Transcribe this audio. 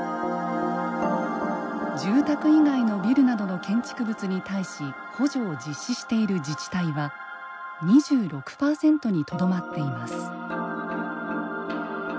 住宅以外のビルなどの建築物に対し補助を実施している自治体は２６％にとどまっています。